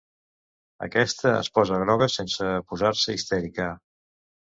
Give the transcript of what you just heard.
Aquesta es posa groga sense posar-se histèrica.